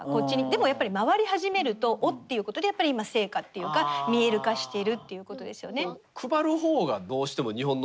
でもやっぱり回り始めると「おっ」っていうことでやっぱり成果っていうか見える化してるっていうことですよね。